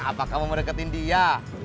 apa kamu mau deketin dia